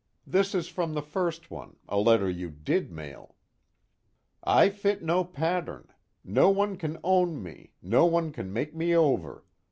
This is from the first one, a letter you did mail: 'I fit no pattern. No one can own me, no one can make me over.